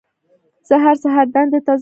زه هر سهار دندې ته ځم